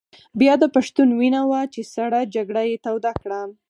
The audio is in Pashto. بیا د پښتون وینه وه چې سړه جګړه یې توده کړه.